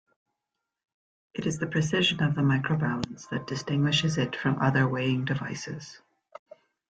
It is the precision of the microbalance that distinguishes it from other weighing devices.